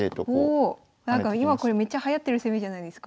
おなんか今これめっちゃはやってる攻めじゃないですか。